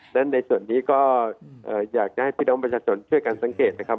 ดังนั้นในส่วนนี้ก็อยากให้พี่น้องประชาชนเชื่อกันสังเกตนะครับ